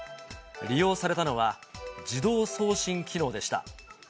利用されたのは、自動送信機能でした。